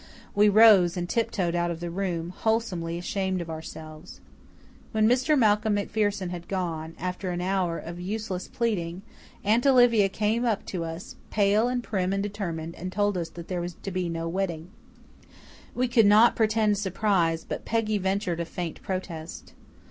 We rose and tiptoed out of the room, wholesomely ashamed of ourselves. When Mr. Malcolm MacPherson had gone, after an hour of useless pleading, Aunt Olivia came up to us, pale and prim and determined, and told us that there was to be no wedding. We could not pretend surprise, but Peggy ventured a faint protest.